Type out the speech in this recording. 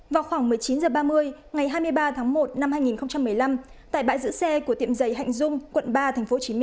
vào khoảng một mươi chín h ba mươi ngày hai mươi ba tháng một năm hai nghìn một mươi năm tại bãi giữ xe của tiệm dày hạnh dung quận ba tp hcm